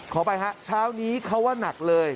ขอไปฮะเช้านี้เขาว่านักเลย